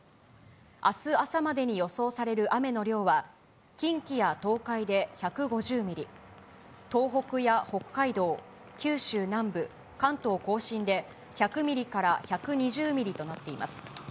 あす朝までに予想される雨の量は、近畿や東海で１５０ミリ、東北や北海道、九州南部、関東甲信で１００ミリから１２０ミリとなっています。